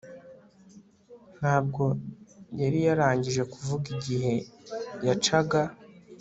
Ntabwo yari yarangije kuvuga igihe yacaga